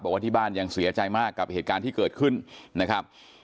บอกว่าที่บ้านยังเสียใจมากกับเหตุการณ์ที่เกิดขึ้นนะครับ